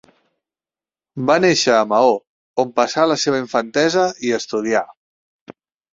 Va néixer a Maó, on passà la seva infantesa i hi estudià.